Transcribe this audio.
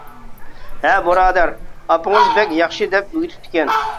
ھە بۇرادەر، ئاپىڭىز بەك ياخشى دەپ ئۆگىتىپتىكەن.